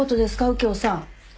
右京さん。